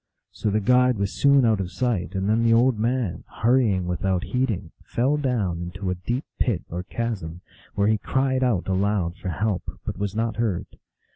So the guide was soon out of sight, and then the old man, hurrying without heeding, fell down into a deep pit or chasm, where he cried out aloud for help, but was not heard.